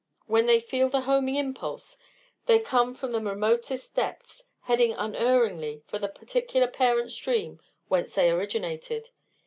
When they feel the homing impulse they come from the remotest depths, heading unerringly for the particular parent stream whence they originated.